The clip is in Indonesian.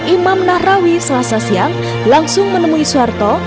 imam nahrawi selasa siang langsung menemui soeharto